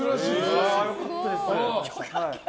良かったです。